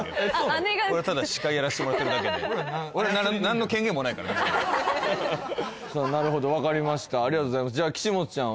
姉がこれただ司会やらせてもらってるだけで何の権限もないからさあなるほど分かりましたありがとうございますじゃあ岸本ちゃん